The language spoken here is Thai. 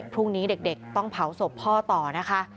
พรุ่งนี้เด็กต้องเผาศพพ่อต่อนะคะ